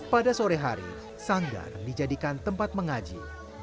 pada sore hari sanggar dijadikan tempat mengaji